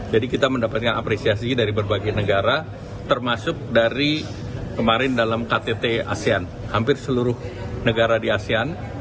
jadi kita mendapatkan apresiasi dari berbagai negara termasuk dari kemarin dalam ktt asean hampir seluruh negara di asean